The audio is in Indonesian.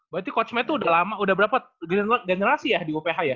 berarti coachnya itu udah lama udah berapa generasi ya di uph ya